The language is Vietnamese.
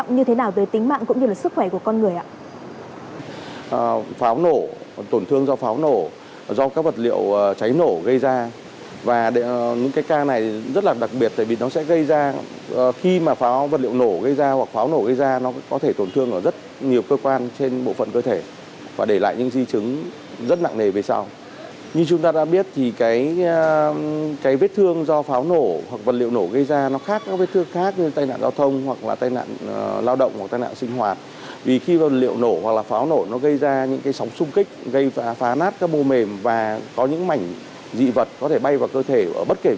những hậu quả nghiêm trọng như thế nào về tính mạng cũng như là sức khỏe của con người ạ